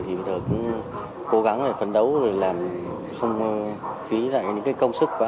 thì mình thường cố gắng phấn đấu không phí lại những công sức của anh